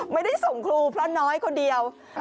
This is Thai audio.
ไม่ได้ส่งครูเพราะน้อยคนเดียว